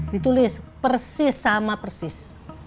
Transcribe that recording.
ditulis persis sama persis